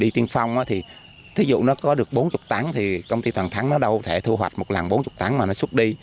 thí dụ nó có được bốn mươi tắng thì công ty toàn thắng nó đâu có thể thu hoạch một lần bốn mươi tắng mà nó xuất đi